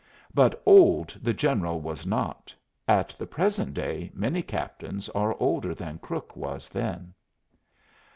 But old the General was not. At the present day many captains are older than Crook was then.